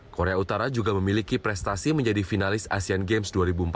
korea utara juga memiliki prestasi menjadi finalis asean games dua ribu empat belas